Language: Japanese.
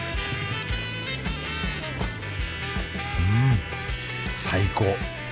うん最高！